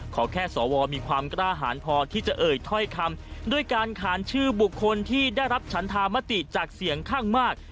ขอแค่สวมีความกล้าหารพอที่จะเอ่ยถ้อยคำด้วยการขานชื่อบุคคลที่ได้รับฉันธามติจากเสียงข้างมาก